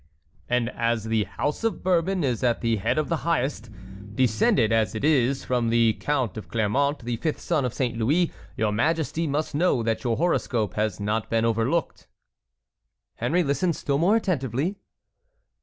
"And as the house of Bourbon is at the head of the highest, descended as it is from the Count of Clermont, the fifth son of Saint Louis, your majesty must know that your horoscope has not been overlooked." Henry listened still more attentively.